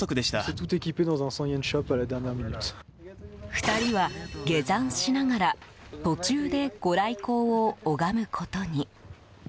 ２人は下山しながら途中でご来光を拝むことに。